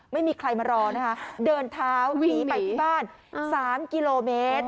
ไม่มีใครมารอนะคะเดินเท้าหนีไปที่บ้าน๓กิโลเมตร